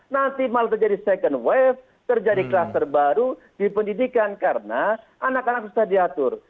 nanti malah terjadi second wave terjadi kluster baru di pendidikan karena anak anak susah diatur